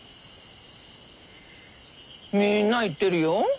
みんな言ってるよ。